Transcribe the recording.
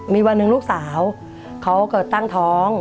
มีวันหนึ่งลูกสาวเขาเกิดตั้งท้อง